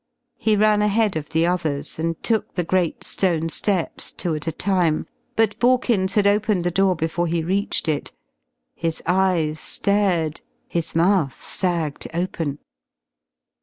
He ran ahead of the others and took the great stone steps two at a time. But Borkins had opened the door before he reached it. His eyes stared, his mouth sagged open.